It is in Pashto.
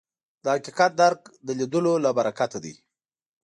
د حقیقت درک د لیدلو له برکته دی